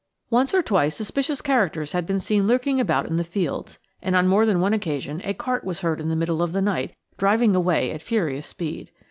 Once or twice suspicious characters had been seen lurking about in the fields, and on more than one occasion a cart was heard in the middle of the night driving away at furious speed.